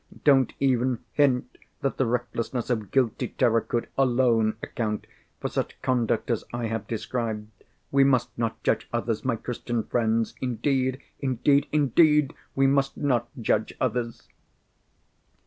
don't even hint that the recklessness of guilty terror could alone account for such conduct as I have described! We must not judge others. My Christian friends, indeed, indeed, indeed, we must not judge others!